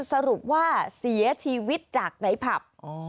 สรุปว่าเสียชีวิตจากในผับ